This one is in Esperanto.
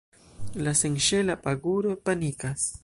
La senŝela paguro panikas.